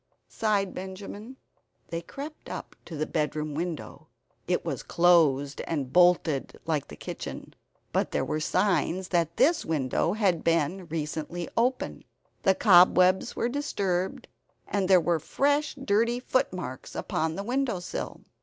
sighed Benjamin. They crept up to the bedroom window. It was closed and bolted like the kitchen. But there were signs that this window had been recently open; the cobwebs were disturbed, and there were fresh dirty footmarks upon the windowsill.